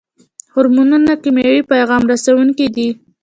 هورمونونه کیمیاوي پیغام رسوونکي دي